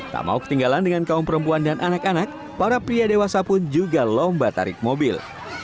tak mau ketinggalan dengan kaum perempuan dan anak anak para pria dewasa pun juga lomba tarik mobil